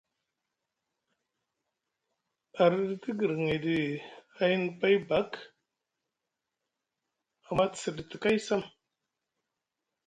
A rɗiti guirŋiɗi ayni pay bak amma te sɗiti kay sam.